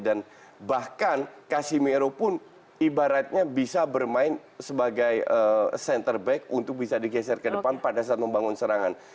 dan bahkan casimiro pun ibaratnya bisa bermain sebagai center back untuk bisa digeser ke depan pada saat membangun serangan